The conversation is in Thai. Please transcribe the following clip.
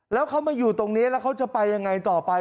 แล้วเขามาอยู่ตรงนี้แล้วเขาจะไปยังไงต่อไป